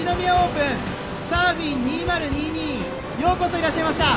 サーフィン２０２２」ようこそいらっしゃいました。